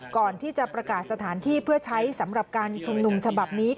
ก่อนที่จะประกาศสถานที่เพื่อใช้สำหรับการชุมนุมฉบับนี้